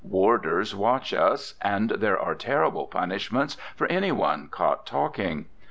Warders watch us, and there are terrible punishments for any one caught talking.